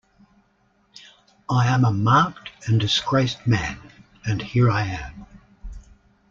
I am a marked and disgraced man, and here I am.